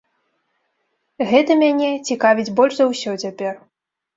Гэта мяне цікавіць больш за ўсё цяпер.